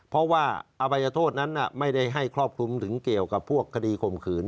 เพราะว่าอภัยโทษนั้นไม่ได้ให้ครอบคลุมถึงเกี่ยวกับพวกคดีข่มขืน